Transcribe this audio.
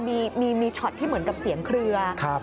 คล้านมีเฉินเหมือนกับเสียงเครื่อง